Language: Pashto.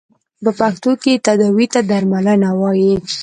په پښتو کې تداوې ته درملنه ویل کیږی.